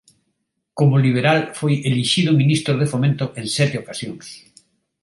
Como Liberal foi elixido ministro de Fomento en sete ocasións.